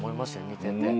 見てて。